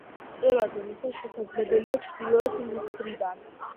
მწვერვალზე მისვლა შესაძლებელია ჩრდილოეთი მხრიდან.